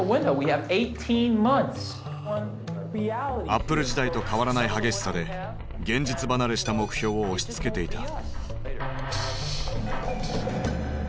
アップル時代と変わらない激しさで現実離れした目標を押しつけていた。